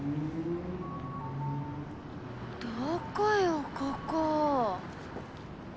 どこよここ。